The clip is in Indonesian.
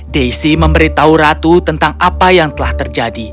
daisy memberitahu ratu tentang apa yang telah terjadi